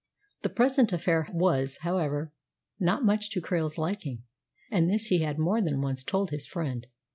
The present affair was, however, not much to Krail's liking, and this he had more than once told his friend.